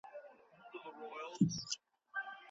ایا نوي کروندګر شین ممیز صادروي؟